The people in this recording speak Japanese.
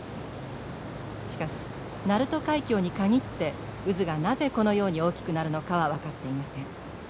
しかし鳴門海峡に限って渦がなぜこのように大きくなるのかは分かっていません。